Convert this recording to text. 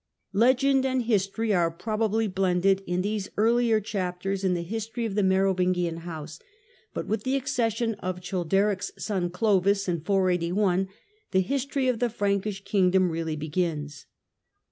Legend and history are probably blended in these earlier chapters in the history of the Merovingian house, but with the accession of Childeric's son Clovis, 1 in 481, the history of the Frankish kingdom really begins.